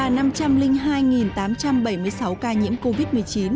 mỹ đã trở thành quốc gia đầu tiên ghi nhận tới một tám trăm bảy mươi sáu ca nhiễm covid một mươi chín